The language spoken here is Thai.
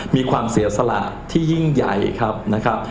มีความเสียสละที่ยิ่งใหญ่ครับนะครับ